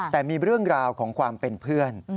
แต่มีเรื่องราวของความเป็นเพื่อน